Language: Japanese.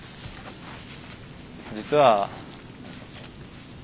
実は。